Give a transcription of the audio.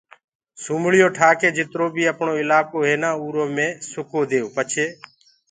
سومݪيون ٺآ ڪي جِترو بيٚ اَپڻو اِلآڪو هي نآ اُرو مي سُڪو ديئو پڇي